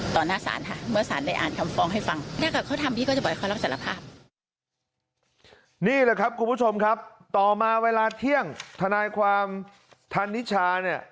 ต่อมาเวลาเที่ยงทนายความทันนิชชาเนี่ย